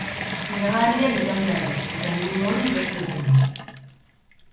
Fidagarria izan behar du, eta helburu hori lortu egin du.